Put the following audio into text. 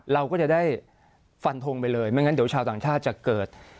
เราก็จะได้ฟันทงไปเลยไม่งั้นเดี๋ยวชาวต่างชาติจะเกิด